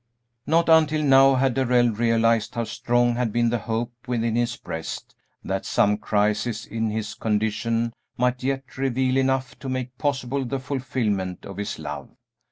Not until now had Darrell realized how strong had been the hope within his breast that some crisis in his condition might yet reveal enough to make possible the fulfilment of his love.